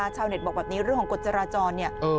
ชาวเน็ตบอกแบบนี้เรื่องของกฎจราจรเนี่ย